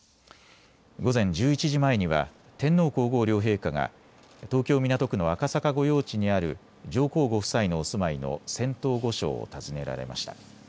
午前１１時前には天皇皇后両陛下が東京港区の赤坂御用地にある上皇ご夫妻のお住まいの仙洞御所を訪ねられました。